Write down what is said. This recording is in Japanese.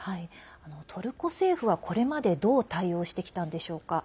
トルコ政府は、これまでどう対応してきたんでしょうか？